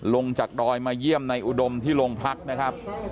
ลงจากดอยมาเยี่ยมในอุดมที่โรงพักนะครับ